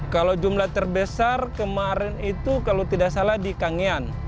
kalau jumlah terbesar kemarin itu kalau tidak salah di kangean